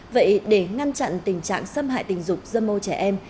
vậy để ngăn chặn tình trạng xâm hại tình dục dâm ô trẻ em